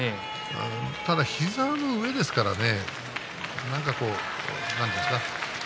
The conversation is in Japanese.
ただ膝の上ですからね。